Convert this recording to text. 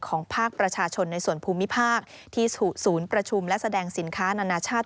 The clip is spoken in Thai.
ภาคประชาชนในส่วนภูมิภาคที่ศูนย์ประชุมและแสดงสินค้านานาชาติ